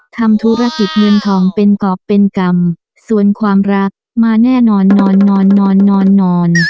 ทำธุรกิจเงินทองเป็นกรอบเป็นกรรมส่วนความรักมาแน่นอนนอนนอนนอน